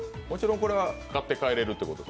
もちろんこれは買って帰れる。